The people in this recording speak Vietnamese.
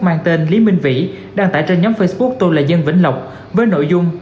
mang tên lý minh vĩ đăng tải trên nhóm facebook tô là dân vĩnh lộc với nội dung